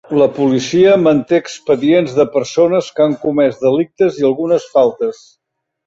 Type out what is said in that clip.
La policia manté expedients de persones que han comès delictes i algunes faltes.